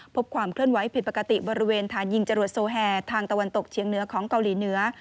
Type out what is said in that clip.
ความเคลื่อนไหวผิดปกติบริเวณฐานยิงจรวดโซแฮทางตะวันตกเชียงเหนือของเกาหลีเหนือ